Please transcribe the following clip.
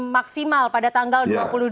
maksimal pada tanggal dua puluh dua